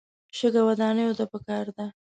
شګه ودانیو ته پکار ده.